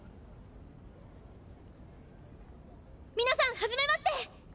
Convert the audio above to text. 皆さんはじめまして！